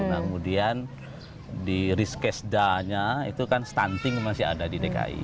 nah kemudian di risk case d nya itu kan stunting masih ada di dki